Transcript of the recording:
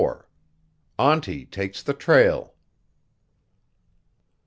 AUNTIE TAKES THE TRAIL.